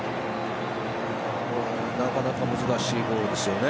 なかなか難しいゴールですよね